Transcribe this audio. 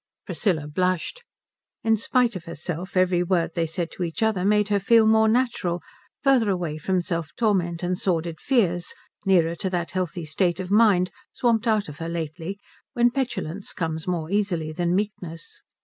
Priscilla blushed. In spite of herself every word they said to each other made her feel more natural, farther away from self torment and sordid fears, nearer to that healthy state of mind, swamped out of her lately, when petulance comes more easily than meekness.